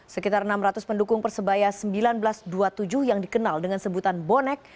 sekitar enam ratus pendukung persebaya seribu sembilan ratus dua puluh tujuh yang dikenal dengan sebutan bonek